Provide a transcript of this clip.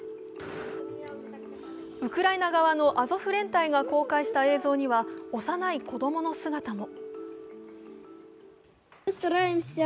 ウクライナ側のアゾフ連隊が公開した映像には幼い子供の姿も。